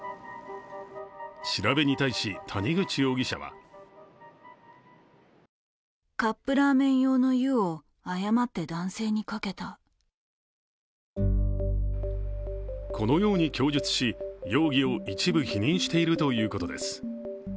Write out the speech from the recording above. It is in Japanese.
調べに対し、谷口容疑者はこのように供述し容疑を一部否認しているということです。